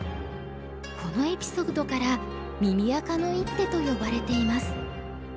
このエピソードから耳赤の一手と呼ばれています。